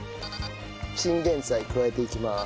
チンゲンサイ加えていきます。